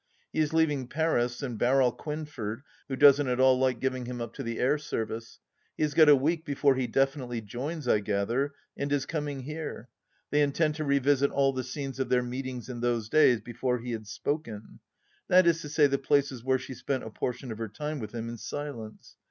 He is leaving Paris and Barral Quenford, who doesn't at all like giving him up to the air service. He has got a week before he definitely joins, I gather, and is coming here. They intend to revisit all the scenes of their meetings in those days before he had " spoken." That is to say, the places where she spent a portion of her time with him in silence.